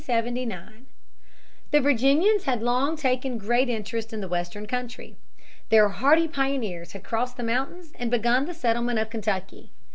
Clark's Western Campaign, 1778 79. The Virginians had long taken great interest in the western country. Their hardy pioneers had crossed the mountains and begun the settlement of Kentucky.